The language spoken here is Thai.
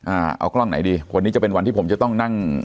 อ่าเอากล้องไหนดีวันนี้จะเป็นวันที่ผมจะต้องนั่ง